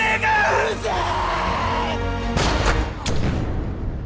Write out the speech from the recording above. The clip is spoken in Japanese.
うるせえ！